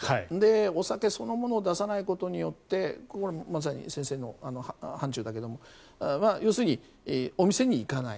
お酒そのものを出さないことによってこれまさに先生の範ちゅうだけれども要するにお店に行かない。